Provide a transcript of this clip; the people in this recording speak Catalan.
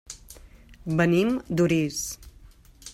Venim d'Orís.